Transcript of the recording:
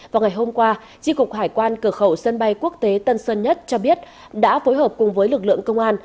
vào ngày hôm qua tri cục hải quan cửa khẩu sân bay quốc tế tân sơn nhất cho biết đã phối hợp cùng với lực lượng công an